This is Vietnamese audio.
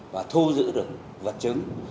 và thu giữ được vật chứng